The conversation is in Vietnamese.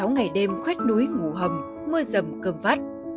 năm mươi sáu ngày đêm khuét núi ngủ hầm mưa rầm cơm vắt